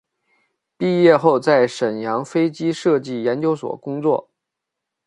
毕业后在沈阳飞机设计研究所工作。